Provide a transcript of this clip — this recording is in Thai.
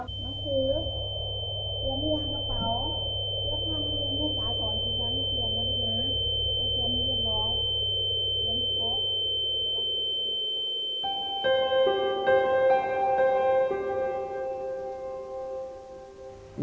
น้องคือ